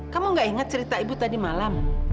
kamu gak ingat cerita ibu tadi malam